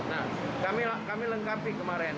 nah kami lengkapi kemarin